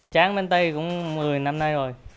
tráng bánh tay cũng một mươi năm nay rồi